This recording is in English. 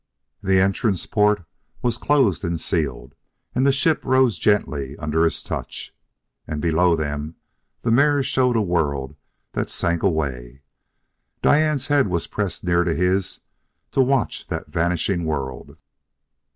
The entrance port was closed and sealed; and the ship rose gently under his touch. And, below them, the mirrors showed a world that sank away. Diane's head was pressed near to his to watch that vanishing world.